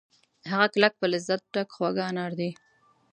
هغه کلک په لذت ډک خواږه انار دي